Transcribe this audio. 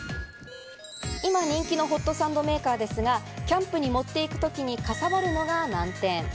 今人気のホットサンドメーカーですが、キャンプに持って行くときにかさばるのが難点。